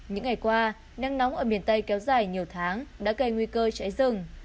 những ngày qua nắng nóng ở miền tây kéo dài nhiều tháng đã gây nguy cơ cháy rừng